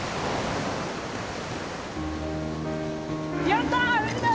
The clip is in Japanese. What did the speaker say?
やった！